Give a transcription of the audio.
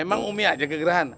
emang ummi aja kegerahan